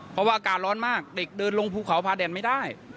เพราะว่าอากาศร้อนมากเด็กเดินลงภูเขาพาแดนไม่ได้